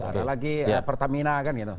ada lagi pertamina